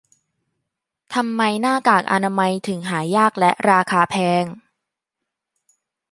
ทำไมหน้ากากอนามัยถึงหายากและราคาแพง